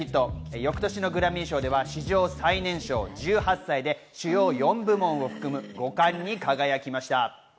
翌年のグラミー賞では史上最年少、１８歳で主要４部門を含む５冠に輝きました。